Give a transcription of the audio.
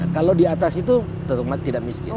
kalau di atas itu tentu tidak miskin